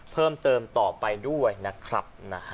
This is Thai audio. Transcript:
เพิ่มเติมต่อไปด้วยนะครับ